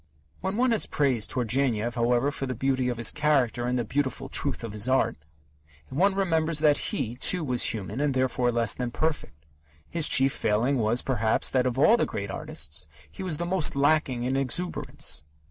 When one has praised Turgenev, however, for the beauty of his character and the beautiful truth of his art, one remembers that he, too, was human and therefore less than perfect. His chief failing was, perhaps, that of all the great artists, he was the most lacking in exuberance.